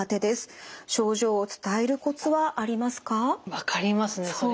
分かりますねそれは。